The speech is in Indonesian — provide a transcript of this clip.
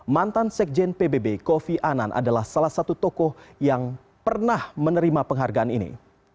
mantan sekjen pbb kofi anan adalah salah satu tokoh yang pernah menerima penghargaan ini